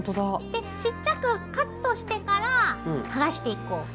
でちっちゃくカットしてから剥がしていこう。